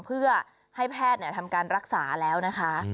เพื่อให้แพทย์ทำการรักษาแล้วนะคะ